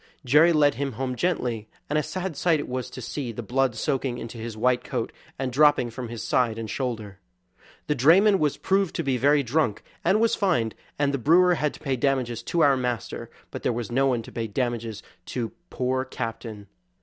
Jerry led him home gently, and a sad sight it was to see the blood soaking into his white coat and dropping from his side and shoulder. The drayman was proved to be very drunk, and was fined, and the brewer had to pay damages to our master; but there was no one to pay damages to poor Captain.